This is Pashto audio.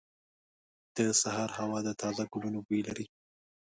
• د سهار هوا د تازه ګلونو بوی لري.